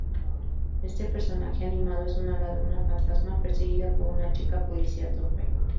Este personaje animado es una ladrona fantasma perseguida por una chica policía torpe.